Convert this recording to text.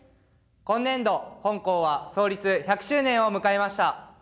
今年度、本校は創立１００周年を迎えました。